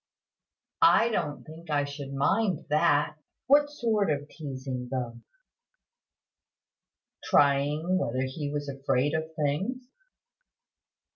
"I don't think I should mind that. What sort of teasing, though?" "Trying whether he was afraid of things."